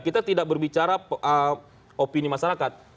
kita tidak berbicara opini masyarakat